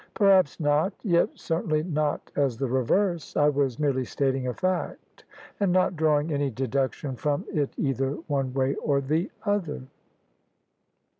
"Perhaps not; yet certainly not as the reverse. I was merely stating a fact, and not drawing any deduction from It either one way or the other."